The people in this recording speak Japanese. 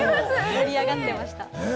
盛り上がっていました！